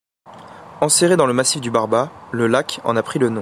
Enserré dans le massif du Barbat, le lac en a pris le nom.